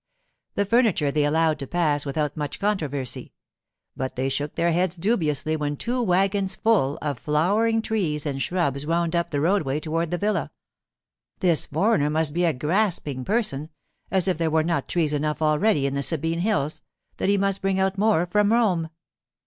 The furniture they allowed to pass without much controversy. But they shook their heads dubiously when two wagons full of flowering trees and shrubs wound up the roadway toward the villa. This foreigner must be a grasping person—as if there were not trees enough already in the Sabine hills, that he must bring out more from Rome!